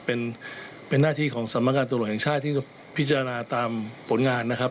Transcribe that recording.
เป็นหน้าที่ของสำนักงานตรวจแห่งชาติที่จะพิจารณาตามผลงานนะครับ